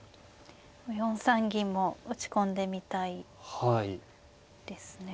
４三銀も打ち込んでみたいですね。